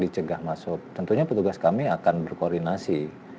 dicegah masuk tentunya petugas kami akan berkoordinasi